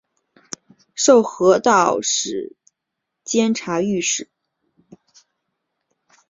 授河南道监察御史。